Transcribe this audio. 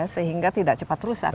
sehingga tidak cepat rusak